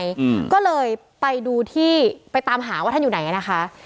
อืมก็เลยไปดูที่ไปตามหาว่าท่านอยู่ไหนอ่ะนะคะ